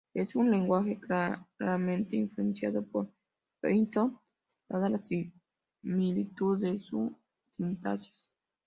Es un lenguaje claramente influenciado por Python dada la similitud de su sintaxis.